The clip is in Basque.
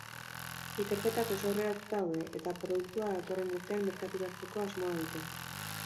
Ikerketak oso aurreratuta daude eta produktua datorren urtean merkaturatzeko asmoa dute.